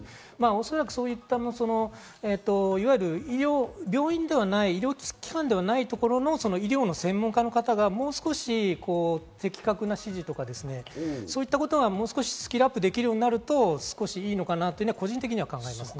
そういう病院ではない医療機関ではないところの医療の専門家の方がもう少し的確な指示とか、そういうことがスキルアップできるようになるといいのかなと個人的に考えます。